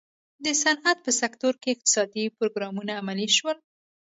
د صنعت په سکتور کې اقتصادي پروګرامونه عملي شول.